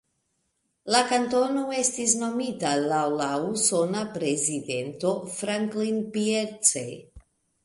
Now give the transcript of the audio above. La kantono estis nomita laŭ la usona prezidento Franklin Pierce.